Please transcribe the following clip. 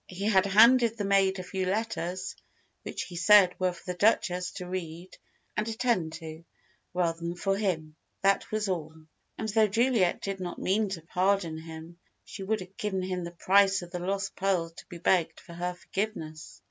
He had handed the maid a few letters, which he said were for the Duchess to read and attend to, rather than for him. That was all. And though Juliet did not mean to pardon him, she would have given the price of the lost pearls to be begged for her forgiveness.